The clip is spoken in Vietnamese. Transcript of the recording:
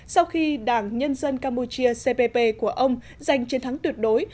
sau khi đảng nhân dân campuchia cpp của ông giành chiến thắng tuyệt đối